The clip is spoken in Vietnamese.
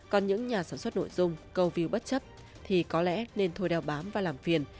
còn những nhà sản xuất nội dung câu view bất chấp thì có lẽ nên thôi đeo bám và làm phiền